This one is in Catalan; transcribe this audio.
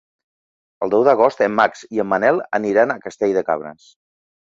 El deu d'agost en Max i en Manel aniran a Castell de Cabres.